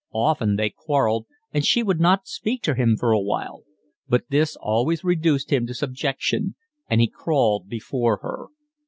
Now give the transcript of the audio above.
Often they quarrelled, and she would not speak to him for a while; but this always reduced him to subjection, and he crawled before her.